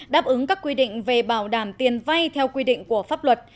đáp ứng các quy định về bảo đảm tiền vay theo quy định của pháp luật